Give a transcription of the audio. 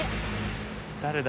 誰だ？